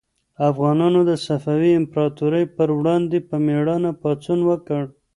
افغانانو د صفوي امپراطورۍ پر وړاندې په مېړانه پاڅون وکړ.